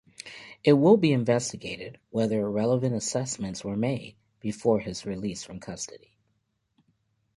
It will be investigated "whether relevant assessments were made" before his release from custody.